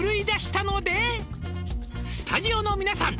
「スタジオの皆さん